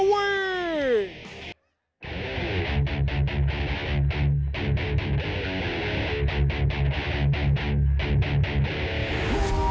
แล้วที่สำคัญนั้นหลักเหลี่ยมความแข็งแรงแข็งแกร่งนั้น